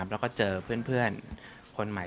แล้วก็เจอเพื่อนคนใหม่